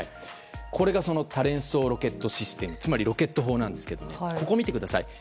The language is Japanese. これが多連装ロケットシステムつまりロケット砲なんですがここを見てください。